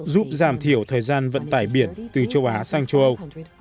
giúp giảm thiểu thời gian vận tải biển từ châu á sang châu âu